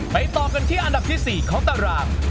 ต่อกันที่อันดับที่๔ของตาราง